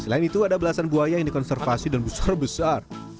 selain itu ada belasan buaya yang dikonservasi dan besar besar